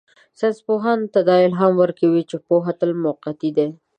ساینسپوهانو ته دا الهام ورکوي چې پوهه تل موقتي ده.